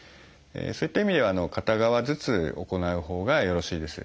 そういった意味では片側ずつ行うほうがよろしいです。